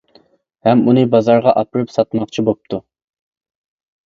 ھەم ئۇنى بازارغا ئاپىرىپ ساتماقچى بوپتۇ.